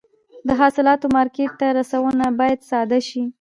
د حاصلاتو مارکېټ ته رسونه باید ساده شي.